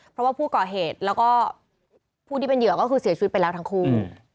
เพราะว่าผู้ก่อเหตุแล้วก็ผู้ที่เป็นเหยื่อก็คือเสียชีวิตไปแล้วทั้งคู่